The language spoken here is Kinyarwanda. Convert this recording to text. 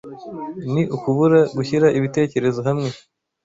ni ukubura gushyira ibitekerezo hamwe